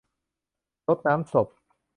รดน้ำศพ